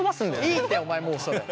いいってお前もうそれ。